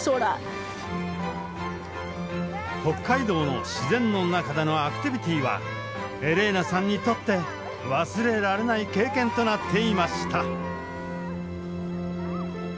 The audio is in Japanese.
北海道の自然の中でのアクティビティーはエレーナさんにとって忘れられない経験となっていました。